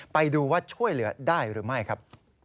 ไปดูว่าช่วยเหลือได้หรือไม่ครับ